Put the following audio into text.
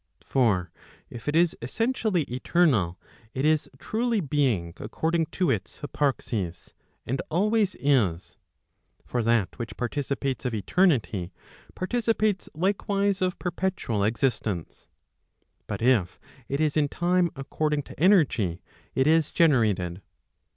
For if it is essentially eternal, it is truly being according to its hyparxis, and always is. For that which participates of eternity, participates like¬ wise of perpetual existence. But if it is in time according to energy, it is generated.